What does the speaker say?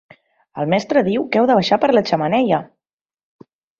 El mestre diu que heu de baixar per la xemeneia!